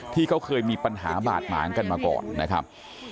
ที่เขาเคยมีปัญหาบาดหมางกันมาก่อนนะครับ